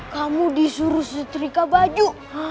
kamu disuruh setrika baju